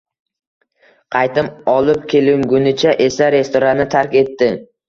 Qaytim olib kelingunicha esa restoranni tark etdi